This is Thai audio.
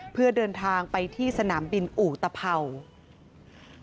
เพื่อเดินทางไปที่สนามบินอุตภัวร์